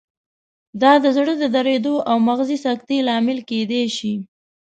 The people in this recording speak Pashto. دا د زړه د دریدو او مغزي سکتې لامل کېدای شي.